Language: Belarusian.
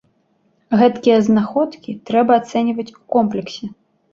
Гэткія знаходкі трэба ацэньваць у комплексе.